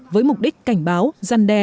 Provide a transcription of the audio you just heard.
với mục đích cảnh báo giăn đe